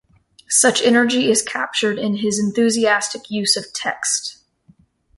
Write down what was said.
Such energy is captured in his enthusiastic use of text.